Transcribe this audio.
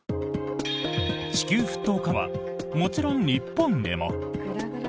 地球沸騰化はもちろん日本でも。